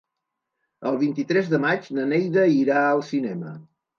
El vint-i-tres de maig na Neida irà al cinema.